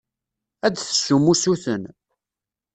Ad d-tessum usuten.